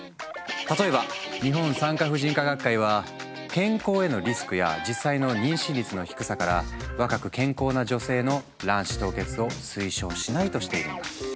例えば日本産科婦人科学会は健康へのリスクや実際の妊娠率の低さから若く健康な女性の卵子凍結を推奨しないとしているんだ。